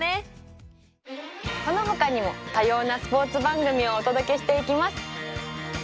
このほかにも多様なスポーツ番組をお届けしていきます。